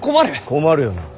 困るよな。